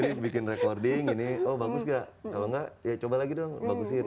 jadi bikin recording ini oh bagus nggak kalau nggak ya coba lagi dong bagusin